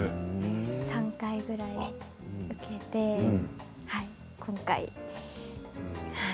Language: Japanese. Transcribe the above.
３回ぐらい受けて今回、はい。